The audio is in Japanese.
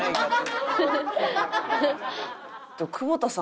でも久保田さん。